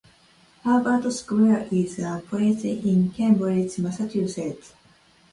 Harvard Square is a place in Cambridge, Massachusetts.